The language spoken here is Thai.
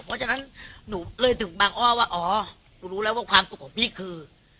เพราะฉะนั้นหนูเลยถึงบางอ้อว่าอ๋อหนูรู้แล้วว่าความสุขของพี่คือ